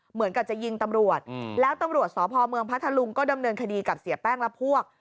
เหมือนกับจะยิงตำรวจแล้วตำรวจสพเมืองพัทธลุงก็ดำเนินคดีกับเสียแป้งและพวก